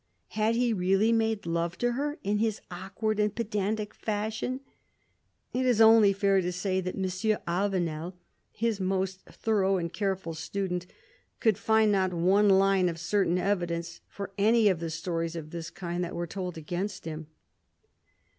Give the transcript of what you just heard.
Had he really made love to her, in his awkward and pedantic fashion ? It is only fair to say that M. Avenel, his most thorough and careful student, could find not one line of certain evidence for any of the stories of this kind that were told against him.